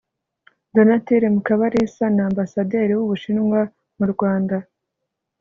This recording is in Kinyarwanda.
Donatile Mukabalisa na Ambasaderi w’u Bushinwa mu Rwanda